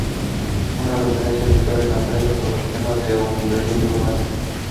It later became the Advisory Council for the Control of Outdoor Advertising.